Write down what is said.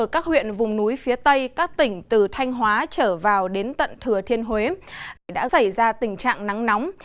các huyện vùng núi phía tây các tỉnh từ thanh hóa trở vào đến tận thừa thiên huế đã xảy ra tình trạng nắng nóng